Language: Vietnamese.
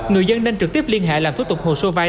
người dân nên trực tiếp liên hệ làm thủ tục hồ sơ vay